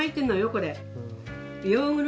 これ。